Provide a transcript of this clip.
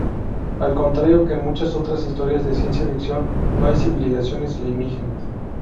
Al contrario que en muchas otras historias de ciencia ficción, no hay civilizaciones alienígenas.